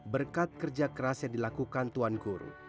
berkat kerja keras yang dilakukan tuan guru